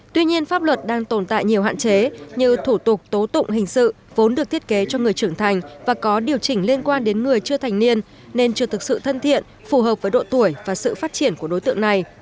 tuy nhiên pháp luật đang tồn tại nhiều hạn chế như thủ tục tố tụng hình sự vốn được thiết kế cho người trưởng thành và có điều chỉnh liên quan đến người chưa thành niên nên chưa thực sự thân thiện phù hợp với độ tuổi và sự phát triển của đối tượng này